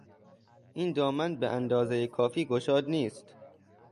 این دامن به اندازهی کافی گشاد نیست.